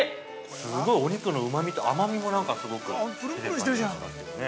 すごいお肉のうまみと甘みもなんかすごく出ている感じがしますけどね。